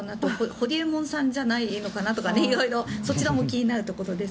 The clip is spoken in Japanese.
ホリエモンさんじゃないのかなと色々そちらも気になるところです。